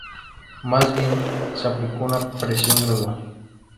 Más bien, se aplicó una presión gradual.